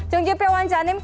sungji piong wanjanim